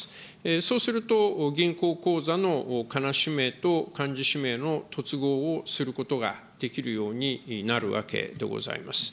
そうすると、銀行口座のかな氏名と、漢字氏名の突合をすることができるようになるわけでございます。